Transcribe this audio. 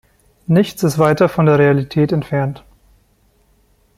Nichts ist weiter von der Realität entfernt.